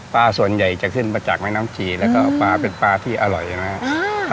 ส่วนใหญ่จะขึ้นมาจากแม่น้ำชีแล้วก็ปลาเป็นปลาที่อร่อยใช่ไหมครับ